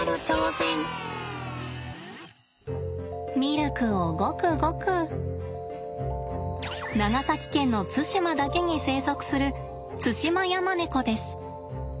長崎県の対馬だけに生息するツシマヤマネコです。